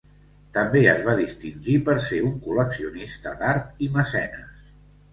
També es va distingir per ser un col·leccionista d'art i mecenes.